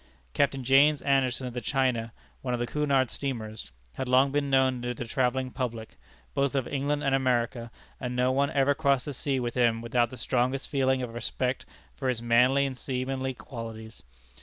Captain James Anderson, of the China, one of the Cunard steamers, had long been known to the travelling public, both of England and America, and no one ever crossed the sea with him without the strongest feeling of respect for his manly and seamanly qualities.